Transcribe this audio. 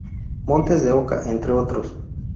Montes de Oca, entre otros.